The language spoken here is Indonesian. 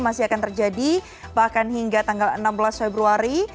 masih akan terjadi bahkan hingga tanggal enam belas februari